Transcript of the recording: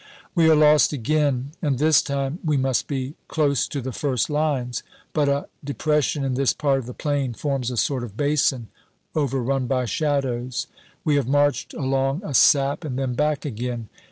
We are lost again, and this time we must be close to the first lines; but a depression in this part of the plain forms a sort of basin, overrun by shadows. We have marched along a sap and then back again.